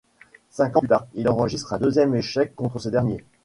Cinq ans plus tard, il enregistre un deuxième échec contre ce dernier.